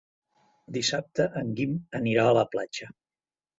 Dissabte en Guim anirà a la platja.